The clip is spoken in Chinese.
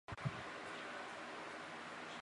生态池水源主要来自隔壁的生命科学馆。